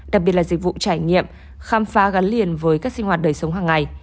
đặc biệt là dịch vụ trải nghiệm khám phá gắn liền với các sinh hoạt đời sống hàng ngày